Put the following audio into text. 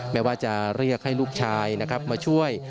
แม้ว่าจะเรียกให้ลูกชายนะครับมาช่วย